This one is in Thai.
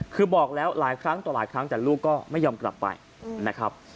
คือบอกแล้วหลายครั้งต่อหลายครั้งแต่ลูกก็ไม่ยอมกลับไปนะครับ